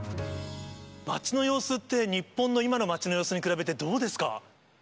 街の様子って、日本の今の街の様子に比べて、どうですか？